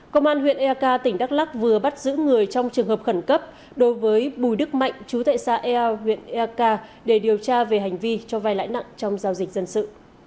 công an huyện ea ca tỉnh đắk lắc vừa bắt giữ người trong trường hợp khẩn cấp đối với bùi đức mạnh chú tệ xa ea huyện ea ca để điều tra về hành vi cho vai lãi nặng trong giao dịch dân sự